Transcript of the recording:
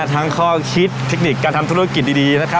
ทั้งข้อคิดเทคนิคการทำธุรกิจดีนะครับ